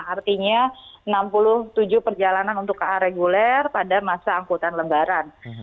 artinya enam puluh tujuh perjalanan untuk ka reguler pada masa angkutan lebaran